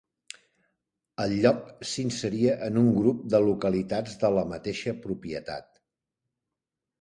El lloc s'inseria en un grup de localitats de la mateixa propietat.